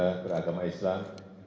apakah saudara beragama islam